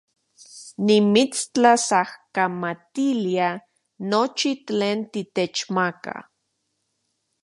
Nimitstlasojkamatilia nochi tlen titechmaka